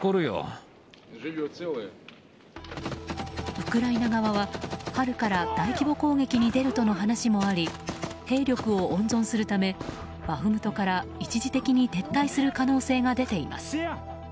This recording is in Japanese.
ウクライナ側は、春から大規模攻撃に出るとの話もあり兵力を温存するためバフムトから一時的に撤退する可能性が出ています。